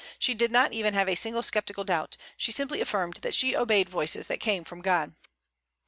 She did not even have a single sceptical doubt; she simply affirmed that she obeyed voices that came from God.